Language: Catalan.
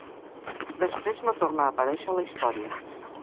Després no torna a aparèixer a la història.